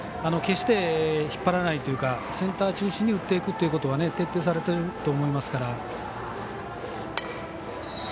決して引っ張らないというかセンター中心に打っていくということは徹底されていると思いますから。